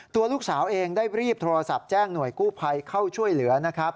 ตัวลูกสาวเองได้รีบโทรศัพท์แจ้งหน่วยกู้ภัยเข้าช่วยเหลือนะครับ